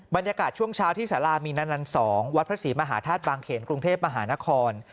บรรยากาศช่วงเช้าที่สารามีนัน๒วัดพระศรีมหาธาตุบางเขนกรุงเทพมหานคร